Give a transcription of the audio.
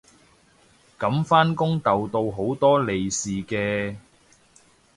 噉返工逗到好多利是嘅